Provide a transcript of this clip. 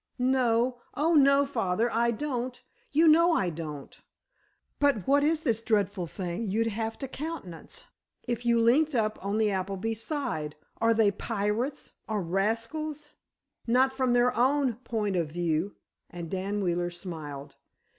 "No, oh, no, father, I don't—you know I don't. But what is this dreadful thing you'd have to countenance if you linked up on the Appleby side? Are they pirates—or rascals?" "Not from their own point of view," and Dan Wheeler smiled.